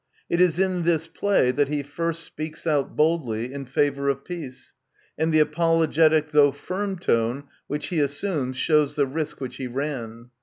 It is in this play that he first speaks out boldly in favour of peace, and the apologetic, though firm, tone which he assumes shows the risk which he ran.